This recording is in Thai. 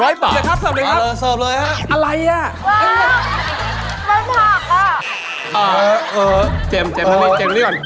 จะได้๓ชามครึ่งชามละ๘๕บาท